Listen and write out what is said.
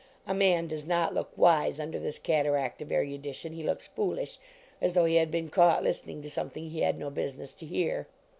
(A man does not look wise under this cataract of eru dition. He looks foolish, as though he had been caught listening to something he had no business to hear.)